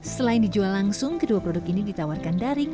selain dijual langsung kedua produk ini ditawarkan daring